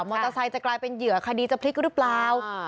เตอร์ไซค์จะกลายเป็นเหยื่อคดีจะพลิกหรือเปล่า